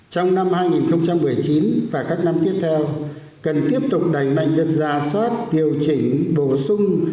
trong năm hai nghìn một mươi chín và các năm tiếp theo cần tiếp tục đẩy mạnh việc giả soát điều chỉnh bổ sung